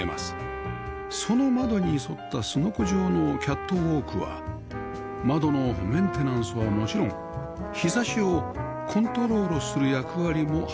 その窓に沿ったすのこ状のキャットウォークは窓のメンテナンスはもちろん日差しをコントロールする役割も果たします